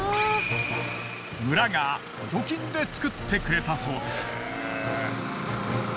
村が補助金で作ってくれたそうです。